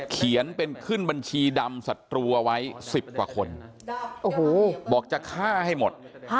เขียนเป็นขึ้นบัญชีดำศัตรูเอาไว้๑๐กว่าคนบอกจะฆ่าให้หมด